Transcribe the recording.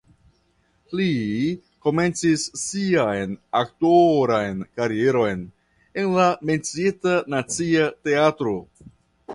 Li komencis sian aktoran karieron en la menciita Nacia Teatro.